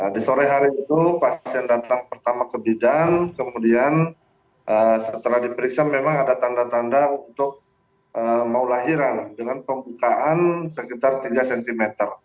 di sore hari itu pasien datang pertama ke bidan kemudian setelah diperiksa memang ada tanda tanda untuk mau lahiran dengan pembukaan sekitar tiga cm